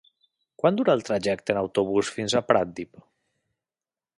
Quant dura el trajecte en autobús fins a Pratdip?